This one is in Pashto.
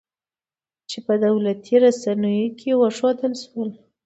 چې په دولتي رسنیو کې وښودل شول